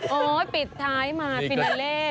โอ้โหปิดท้ายมาฟิเนลเล่เลยค่ะ